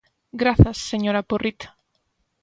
Grazas, señora Porrit.